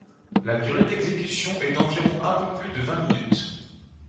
La durée d'exécution est d'environ un peu plus de vingt minutes.